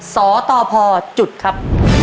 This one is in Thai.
สตพครับ